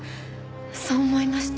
そう思いました。